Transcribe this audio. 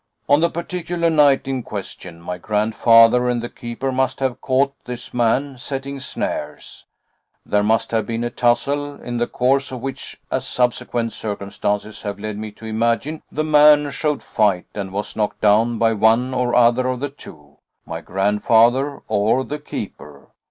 On the particular night in question, my grandfather and the keeper must have caught this man setting snares; there must have been a tussle, in the course of which as subsequent circumstances have led me to imagine, the man showed fight and was knocked down by one or other of the two my grandfather or the keeper.